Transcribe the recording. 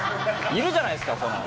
いるじゃないですか！